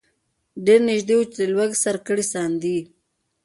ډېر نیژدې وو چي له لوږي سر کړي ساندي